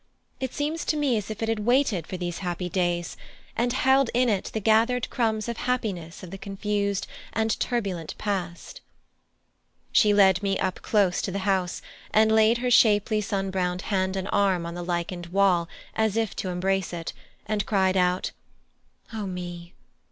It seems to me as if it had waited for these happy days, and held in it the gathered crumbs of happiness of the confused and turbulent past." She led me up close to the house, and laid her shapely sun browned hand and arm on the lichened wall as if to embrace it, and cried out, "O me!